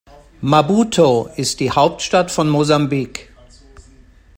Maputo ist die Hauptstadt von Mosambik.